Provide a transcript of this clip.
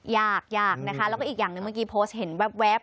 อยากอยากนะคะแล้วก็อีกอย่างหนึ่งเมื่อกี้โพสต์เห็นแว๊บ